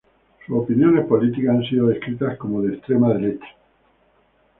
Sus opiniones políticas han sido descritas como de extrema derecha.